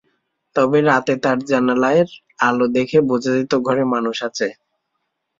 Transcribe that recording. তবে রাতে তার জানালার আলো দেখে বোঝা যেত ঘরে মানুষ আছে।